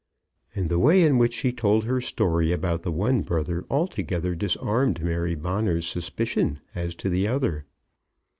And the way in which she told her story about the one brother altogether disarmed Mary Bonner's suspicion as to the other.